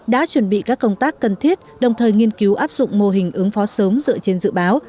đã chuẩn bị các công tác cần thiết đồng thời nghiên cứu áp dụng mô hình ứng phó sớm dựa trên dự báo